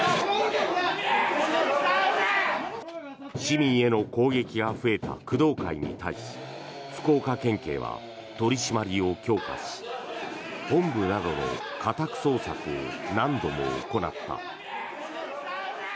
市民への攻撃が増えた工藤会に対し福岡県警は取り締まりを強化し本部などの家宅捜索を何度も行った。